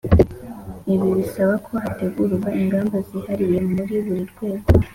ibi bisaba ko hategurwa ingamba zihariye muri buri rwego,